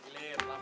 sampai jumpa lagi